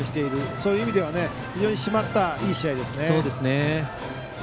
そういう意味では非常に締まった、いい試合ですね。